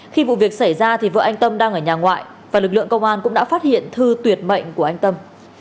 khi vụ việc xảy ra thì vợ anh tâm đang ở nhà ngoại và lực lượng công an cũng đã phát hiện thư tuyệt mệnh của anh tâm